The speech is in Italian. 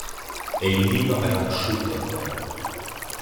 E il vino era asciutto a terra.